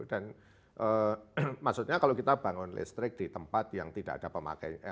dan maksudnya kalau kita bangun listrik di tempat yang tidak ada pemakaian